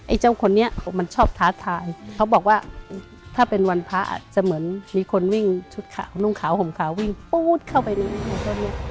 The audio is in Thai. เจ้าคนนี้มันชอบท้าทายเขาบอกว่าถ้าเป็นวันพระอาจจะเหมือนมีคนวิ่งชุดขาวนุ่งขาวห่มขาววิ่งปู๊ดเข้าไปเลย